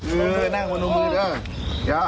เออนั่งประโยชน์มือด้วย